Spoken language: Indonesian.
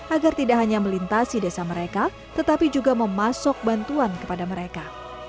agar tidak hanya melintasi desa mereka tetapi juga memasuk bantuan kepada mereka